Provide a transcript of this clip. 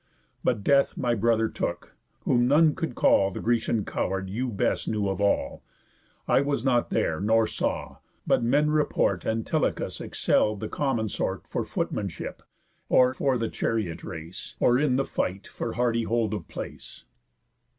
But Death my brother took, whom none could call The Grecian coward, you best knew of all. I was not there, nor saw, but men report Antilochus excell'd the common sort For footmanship, or for the chariot race, Or in the fight for hardy hold of place."